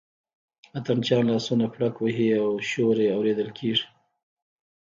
اتڼ چیان لاسونه پړک وهي او شور یې اورېدل کېږي.